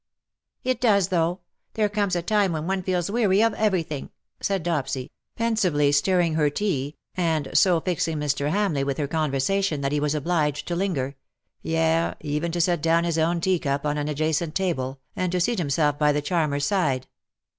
'^'^ It doesj though. There comes a time when one feels weary of everything/^ said Dopsy^ pensively stirring her tea^ and so fixing Mr. Hamleigh with " WHO KNOWS NOT CIRCE ?" 251 her conversation that he was obliged to linger — yea, even to set down his own tea cnp on an adjacent table, and to seat himself by the charmer^s side.